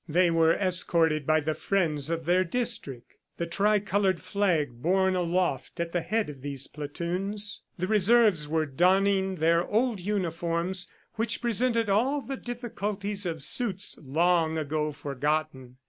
They were escorted by the friends of their district, the tricolored flag borne aloft at the head of these platoons. The Reserves were donning their old uniforms which presented all the difficulties of suits long ago forgotten.